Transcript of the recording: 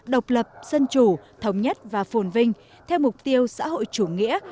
độc lập dân chủ thống nhất và phồn vinh theo mục tiêu xã hội chủ nghĩa